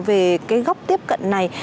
về cái góc tiếp cận này